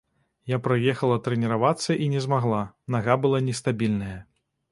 Я прыехала трэніравацца і не змагла, нага была нестабільная.